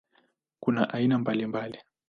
Kuna aina mbalimbali.